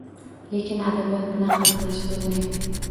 Lekin, adabiyot bilan hazillashib bo‘lmaydi